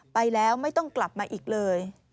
ไปแล้วไม่ต้องกลับมาอีกเลย